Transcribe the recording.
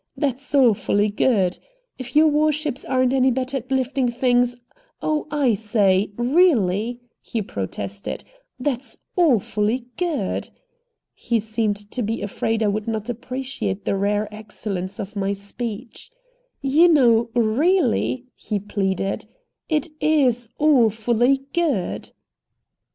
"That's awfully good: 'If your war ships aren't any better at lifting things ' Oh, I say, really," he protested, "that's awfully good." He seemed to be afraid I would not appreciate the rare excellence of my speech. "You know, really," he pleaded, "it is AWFULLY good!"